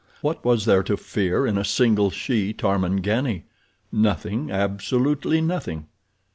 What was there to fear in a single she Tarmangani? Nothing, absolutely nothing.